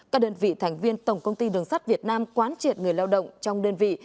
các đơn vị thành viên tổng công ty đường sắt việt nam quán triệt người lao động trong đơn vị